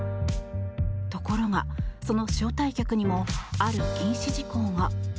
ところが、その招待客にもある禁止事項が。